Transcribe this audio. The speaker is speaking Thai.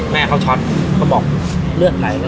แม่เขาช็อตเขาบอกเลือดไหล